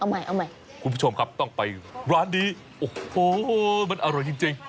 เอาใหม่เอาใหม่คุณผู้ชมครับต้องไปร้านนี้โอ้โหมันอร่อยจริงจริง